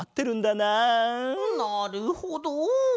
なるほど。